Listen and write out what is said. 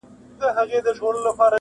شیخ ویله میکدې ته ځه جواز دی-